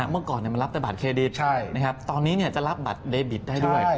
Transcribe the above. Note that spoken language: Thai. เมื่อก่อนมันรับแต่บัตรเครดิตตอนนี้จะรับบัตรเดบิตได้ด้วย